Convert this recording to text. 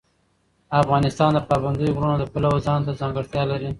افغانستان د پابندی غرونه د پلوه ځانته ځانګړتیا لري.